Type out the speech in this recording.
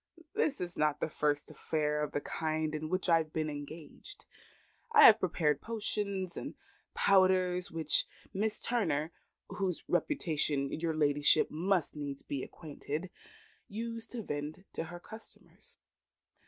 "This is not the first affair of the kind in which I have been engaged. I have prepared potions and powders which Mistress Turner (with whose reputation your ladyship must needs be acquainted) used to vend to her customers.